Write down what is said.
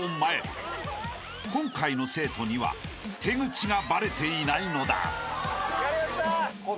［今回の生徒には手口がバレていないのだ］